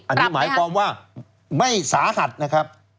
อันนี้หมายความว่าไม่สาหัสนะครับ